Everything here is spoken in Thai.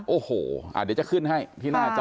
โอ้โหเดี๋ยวจะขึ้นให้ที่หน้าจอ